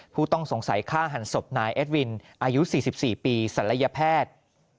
ผู้ต้องสงสัยฆ่าหันศพนายเอ็ดวินอายุ๔๔ปีศัลยแพทย์